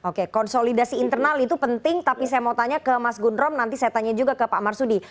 oke konsolidasi internal itu penting tapi saya mau tanya ke mas gundrom nanti saya tanya juga ke pak marsudi